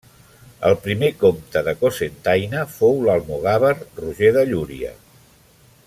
El primer comte de Cocentaina fou l'almogàver Roger de Llúria.